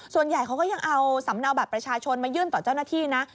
ส่วนใหญ่เขาก็ยังเอาสำเนาบัตรประชาชนมายื่นต่อเจ้าหน้าที่นะ